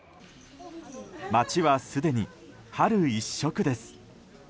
街は、すでに春一色です。